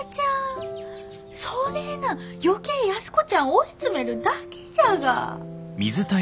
そねえなん余計安子ちゃん追い詰めるだけじゃが。